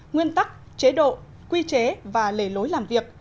nguyên tắc chế độ quy chế và lề lối làm việc